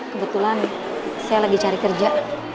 kebetulan saya lagi cari kerja